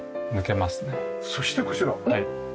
そしてこちら。